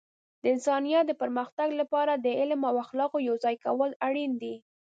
د انسانیت د پرمختګ لپاره د علم او اخلاقو یوځای کول اړین دي.